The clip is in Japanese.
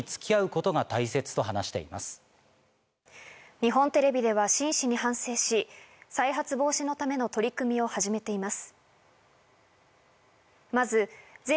日本テレビでは真摯に反省し、再発防止のための取り組みを始めています。